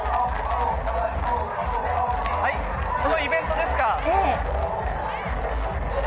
このイベントですか？